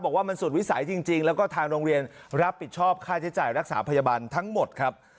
บอกว่ามันสุดวิสัยจริงแล้วก็ทางโรงเรียนรับผิดชอบค่าใช้จ่ายรักษาพยาบาลทั้งหมดครับ